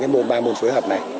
cái môn ba môn phối hợp này